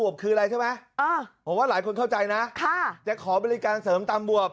เพราะว่าหลายคนเข้าใจนะจะขอบริการเสริมตามบวบ